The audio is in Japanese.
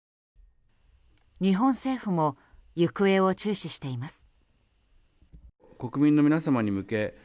日本政府も行方を注視しています。